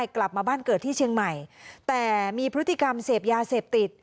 กลับมาบ้านเกิดที่เชียงใหม่แต่มีพฤติกรรมเสพยาเสพติด